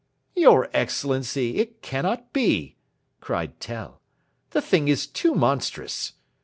"Your Excellency, it cannot be!" cried Tell; "the thing is too monstrous.